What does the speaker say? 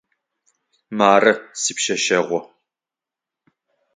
Мары сипшъэшъэгъу.